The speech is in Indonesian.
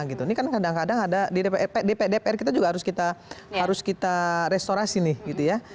ini kan kadang kadang ada di dpr kita juga harus kita restorasi nih gitu ya